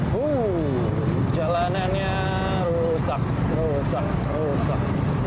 wuhh jalanannya rusak rusak rusak